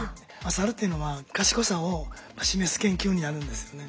サルっていうのは賢さを示す研究になるんですよね。